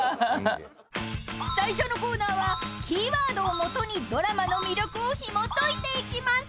［最初のコーナーはキーワードを基にドラマの魅力をひもといていきます］